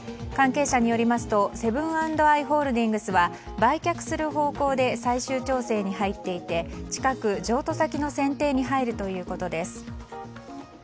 関係者によりますと、セブン＆アイ・ホールディングスは売却する方向で最終調整に入っていて近く譲渡先の選定に入るということです。